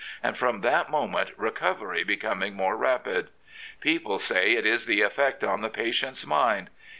and from that moment recovery becoming more rapid. People say it is the effect on the patient's mind.